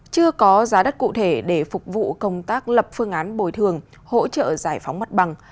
chưa có giá đắt cụ thể để phục vụ công tác lập phương án bồi thường hỗ trợ giải phóng mặt bằng